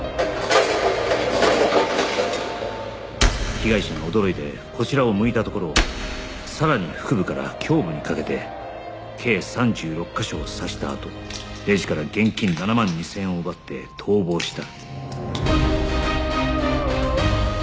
被害者が驚いてこちらを向いたところをさらに腹部から胸部にかけて計３６カ所を刺したあとレジから現金７万２０００円を奪って逃亡した